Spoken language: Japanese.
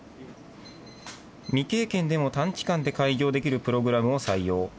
未経験でも短期間で開業できるプログラムを採用。